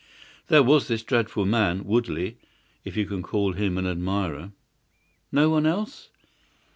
"There was this dreadful man, Woodley, if you can call him an admirer." "No one else?"